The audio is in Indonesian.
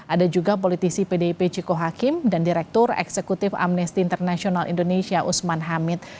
ada juga politisi pdip ciko hakim dan direktur eksekutif amnesty international indonesia usman hamid